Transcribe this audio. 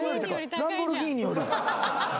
ランボルギーニより高い。